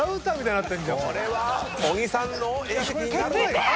これは小木さんの餌食になるのか？